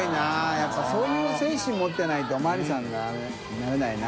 笋辰そういう精神もってないとおまわりさんにはなれないな。